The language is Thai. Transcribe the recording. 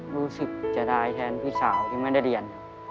รู้สึกจะได้แทนพี่สาวที่ไม่ได้เรียน